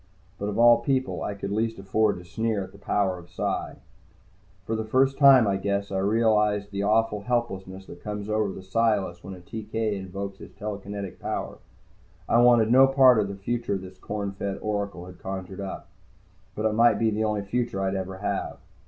But of all people, I could least afford to sneer at the power of Psi. For the first time, I guess, I realized the awful helplessness that comes over the Psiless when a TK invokes his telekinetic power. I wanted no part of the future this corn fed oracle had conjured up. But it might be the only future I'd ever have.